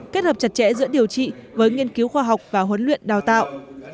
kết hợp chặt chẽ giữa điều trị với nghiên cứu khoa học và huấn luyện đào tạo